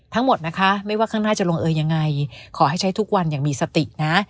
ทั้งหมดนะคะไม่ว่าข้างหน้าจะลงเอยยังไงขอให้ใช้ทุกวันอย่างมีสตินะ